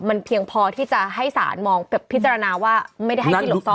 มันเพียงพอที่จะให้สารมองแบบพิจารณาว่าไม่ได้ให้ที่หลบซ่อน